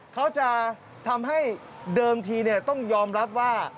เขาจะทำให้เดิมทีต้องยอมรับว่า